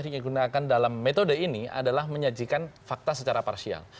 yang digunakan dalam metode ini adalah menyajikan fakta secara parsial